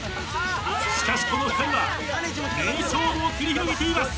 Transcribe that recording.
しかしこの２人は名勝負を繰り広げています！